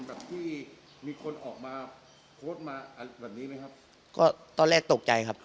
แบบที่มีคนออกมาโพสต์มาอะไรแบบนี้ไหมครับก็ตอนแรกตกใจครับ